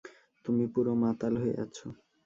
তুমি পুরো মাতাল হয়ে আছ।